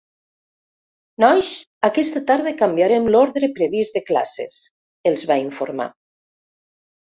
Nois, aquesta tarda canviarem l'ordre previst de classes —els va informar—.